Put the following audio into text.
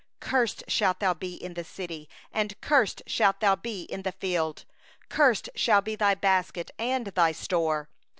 16Cursed shalt thou be in the city, and cursed shalt thou be in the field. 17Cursed shall be thy basket and thy kneading trough.